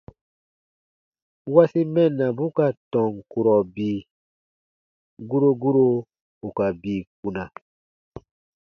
- wasi mɛnnabu ka tɔn kurɔ bii : guro guro ù ka bii kpuna.